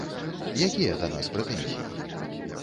Якія да нас прэтэнзіі?